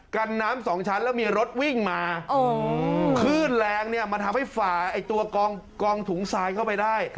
กันน้ำสองชั้นแล้วมีรถวิ่งมาคลื่นแรงเนี่ยมันทำให้ฝ่าไอ้ตัวกองถุงทรายเข้าไปได้